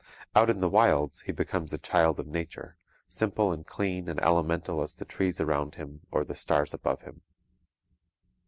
Out in the wilds he becomes a child of nature, simple and clean and elemental as the trees around him or the stars above him.